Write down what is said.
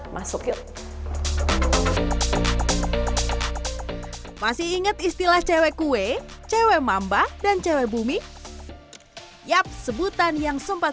masukin masih ingat istilah cewek kue cewek mamba dan cewek bumi yap sebutan yang sempat